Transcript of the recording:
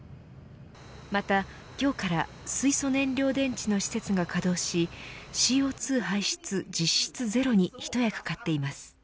また今日から水素燃料電池の施設が稼働しＣＯ２排出実質ゼロに一役買っています。